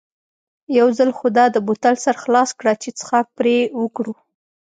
یو ځل خو دا د بوتل سر خلاص کړه چې څښاک پرې وکړو.